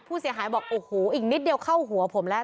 ผู้เสียหายบอกโอ้โหอีกนิดเดียวเข้าหัวผมแล้ว